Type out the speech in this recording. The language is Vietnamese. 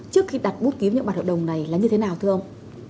trước khi đặt bút ký vào những bản hợp đồng này là như thế nào thưa ông